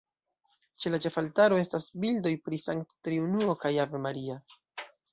Ĉe la ĉefaltaro estas bildoj pri Sankta Triunuo kaj Ave Maria.